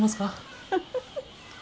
フフフフフ。